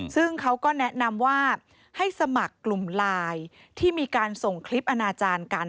ซึ่งเขาก็แนะนำว่าให้สมัครกลุ่มไลน์ที่มีการส่งคลิปอนาจารย์กัน